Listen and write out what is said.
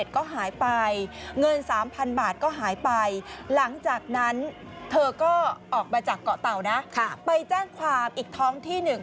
ก็หายไปหลังจากนั้นเธอก็ออกมาจากเกาะเตานะไปแจ้งความอีกท้องที่หนึ่ง